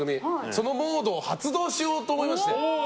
そのモードを発動しようと思いまして。